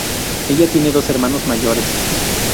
Ella tiene dos hermanos mayores.